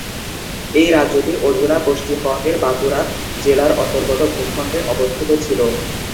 এই রাজ্যটি অধুনা পশ্চিমবঙ্গের বাঁকুড়া জেলার অন্তর্গত ভূখণ্ডে অবস্থিত ছিল।